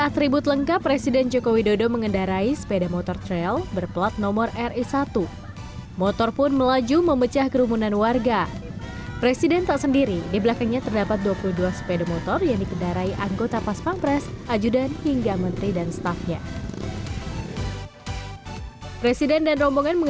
ya itu benar